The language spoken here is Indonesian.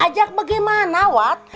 ajak bagaimana wak